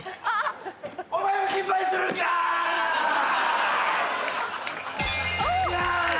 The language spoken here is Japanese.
お前も失敗するんかい！